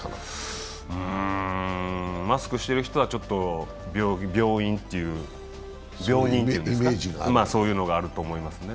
マスクしている人はちょっと病人っていう、そういうのがあると思いますね。